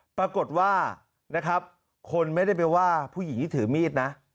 ปรากฏว่านะครับคนไม่ได้ไปว่าผู้หญิงที่ถือมีดนะ